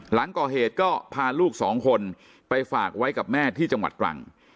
หลังก่อเหตุก็พาลูกสองคนไปฝากไว้กับแม่ที่จังหวัดตรัง